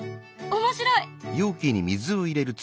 面白い！